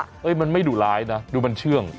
เฮ้ยมันไม่ดุร้ายนะดูมันเชื่อง